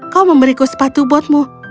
kau memberiku sepatu buatmu